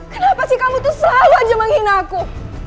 kenapa sih kamu tuh selalu aja menghina aku